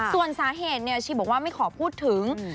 ส่วนสาเหตุชีบอกว่าไม่ขอพูดถึง